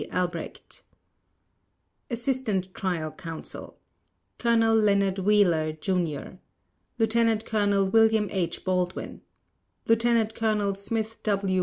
Albrecht ASSISTANT TRIAL COUNSEL: Colonel Leonard Wheeler, Jr. Lieutenant Colonel William H. Baldwin Lieutenant Colonel Smith W.